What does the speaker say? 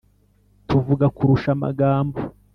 tuvuga kurusha amagambo